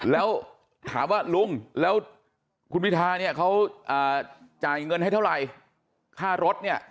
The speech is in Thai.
แล้วคับว่าลุงเขาจ่ายเงินให้เท่าไหร่